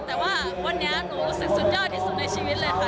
แต่ว่าวันนี้หนูรู้สึกสุดยอดที่สุดในชีวิตเลยค่ะ